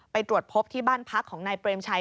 ไปตรวจพบที่บ้านพักของนายเปรมชัย